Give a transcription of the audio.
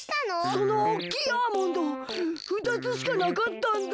そのおっきいアーモンドふたつしかなかったんだ。